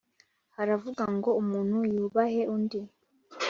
Haravuga ngo umuntu yubahe undi